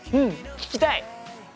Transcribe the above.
聞きたい！